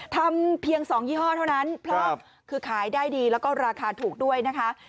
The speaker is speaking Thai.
ทำเพียง๒ยี่ห้อเท่านั้นเพราะคือขายได้ดีแล้วก็ราคาถูกด้วยนะคะ